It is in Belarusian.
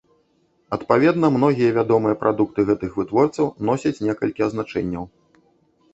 Адпаведна, многія вядомыя прадукты гэтых вытворцаў носяць некалькі азначэнняў.